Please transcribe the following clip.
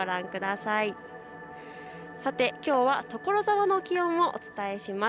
さて、きょうは所沢の気温をお伝えします。